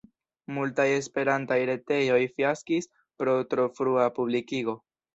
Multaj esperantaj retejoj fiaskis pro tro frua publikigo.